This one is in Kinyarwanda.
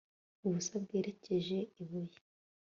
Ubusa bwerekeje ibuye